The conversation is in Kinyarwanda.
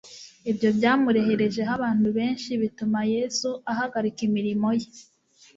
Ibyo byamureherejeho abantu benshi, bituma Yesu ahagarika imirimo ye.